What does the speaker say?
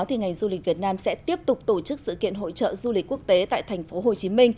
thì ngành du lịch việt nam sẽ tiếp tục tổ chức sự kiện hội trợ du lịch quốc tế tại tp hcm